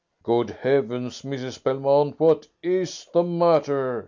"Good Heavens, Mrs. Belmont, what is the matter?"